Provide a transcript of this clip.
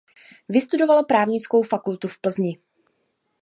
Vystudoval právnickou fakultu v Plzni.